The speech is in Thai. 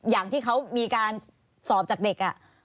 อย่างที่เขามีการสอบจากเด็ก